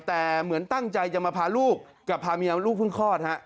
แต่เหมือนตั้งใจจะมาพาลูกกับพาเมียลูกเพิ่งคลอดฮะ